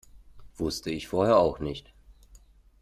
Wusste ich vorher auch nicht.